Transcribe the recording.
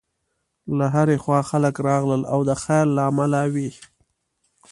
له هرې خوا خلک راغلل او د خیر له امله وې.